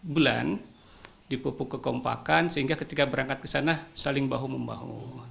bulan dipupuk kekompakan sehingga ketika berangkat ke sana saling bahu membahu